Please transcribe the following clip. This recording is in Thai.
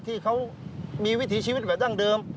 ที่เขามีวิถีชีวิตเหมือนตั้งเดิม